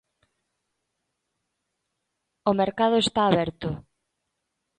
O mercado está aberto.